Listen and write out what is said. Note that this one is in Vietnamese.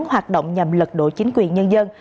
hoạt động nhằm lật đổ chính quyền nhân dân